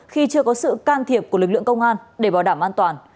khi chưa có sự can thiệp của lực lượng công an để bảo đảm an toàn